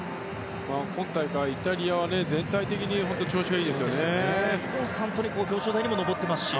今大会イタリアは全体的に本当に調子がいいですよね。